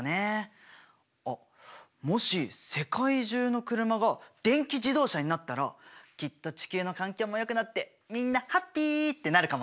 あっもし世界中の車が電気自動車になったらきっと地球の環境もよくなってみんなハッピーってなるかもね！